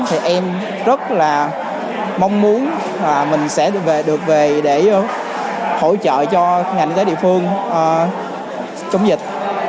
thì em rất là mong muốn mình sẽ về được về để hỗ trợ cho ngành tới địa phương chống dịch